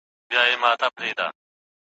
نه تربرونه نه ملګري اشنایان وه